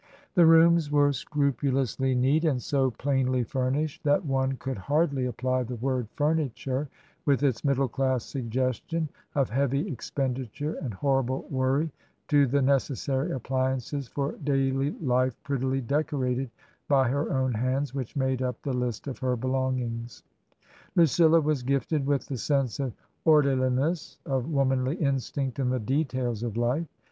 The rooms were scrupulously neat, and so plainly fur nished that one could hardly apply the word furniture," with its middle class suggestion of heavy expenditure and horrible worry, to the necessary appliances for daily life prettily decorated by her own hands, which made up the list of her belongings. Lucilla was gifted with the sense of orderliness, of womanly instinct in the details of life.